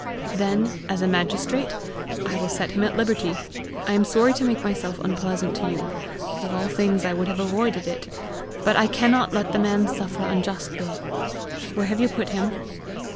"Then as a magistrate I will set him at liberty. I am sorry to make myself unpleasant to you. Of all things I would have avoided it. But I cannot let the man suffer unjustly. Where have you put him?"